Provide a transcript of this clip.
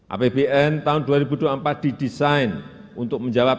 apbn tahun dua ribu dua puluh empat didesain untuk menjawab